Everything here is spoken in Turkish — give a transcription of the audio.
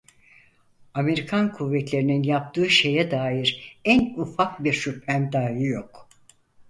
Amerikan kuvvetlerinin yaptığı şeye dair en ufak bir şüphem dahi yok.